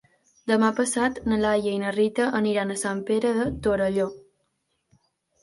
Demà passat na Laia i na Rita aniran a Sant Pere de Torelló.